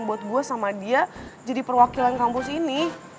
buat gue sama dia jadi perwakilan kampus ini